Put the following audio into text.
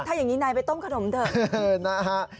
ถ้าอย่างนี้นายไปต้มขนมเถอะนะฮะ